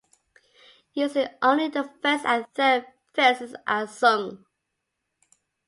Usually only the first and third verses are sung.